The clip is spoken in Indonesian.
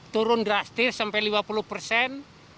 turun drastis sampai lima puluh persen